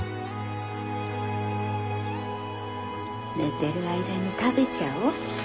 寝てる間に食べちゃおう。